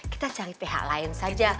kita cari pihak lain saja